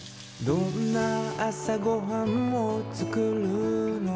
「どんな朝ごはんを作るの？」